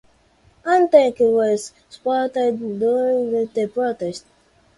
One tank was spotted during the protest.